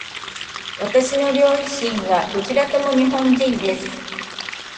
私の両親はどちらとも日本人です。